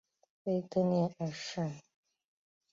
腓特烈二世。